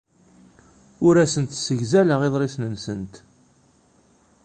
Ur asent-ssegzaleɣ iḍrisen-nsent.